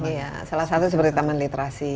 iya salah satu seperti taman literasi